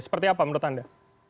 seperti apa menurut anda